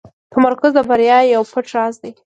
تمرکز د بریا یو پټ راز دی.